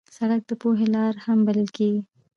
سړک د پوهې لار هم بلل کېږي.